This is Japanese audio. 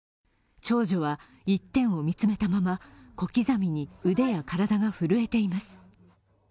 長女は一点を見つめたまま小刻みに腕や体が震えています。